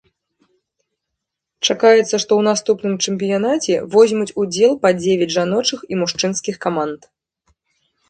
Чакаецца, што ў наступным чэмпіянаце возьмуць удзел па дзевяць жаночых і мужчынскіх каманд.